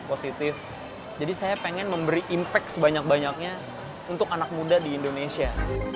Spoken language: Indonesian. positif jadi saya pengen memberi impact sebanyak banyaknya untuk anak muda di indonesia